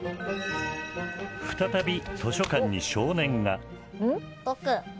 再び図書館に少年が。